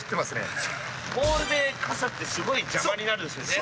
ホールで傘ってすごい邪魔になるんですよね。